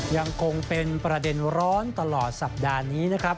ยังคงเป็นประเด็นร้อนตลอดสัปดาห์นี้นะครับ